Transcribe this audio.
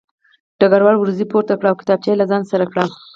ډګروال وروځې پورته کړې او کتابچه یې له ځان سره کړه